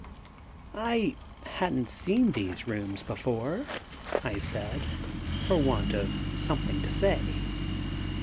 "I hadn't seen these rooms before," I said, for want of something to say.